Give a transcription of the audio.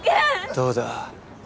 どうだ？